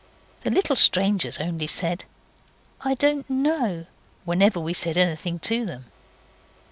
The little strangers only said 'I don't know' whenever we said anything to them.